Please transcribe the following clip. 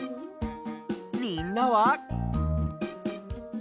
みんなは？